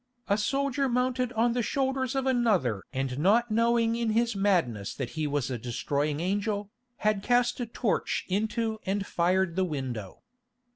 A soldier mounted on the shoulders of another and not knowing in his madness that he was a destroying angel, had cast a torch into and fired the window.